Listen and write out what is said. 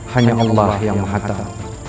hanya allah yang mahatat